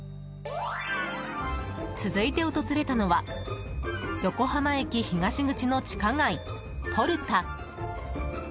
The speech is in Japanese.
続いて訪れたのは横浜駅東口の地下街ポルタ。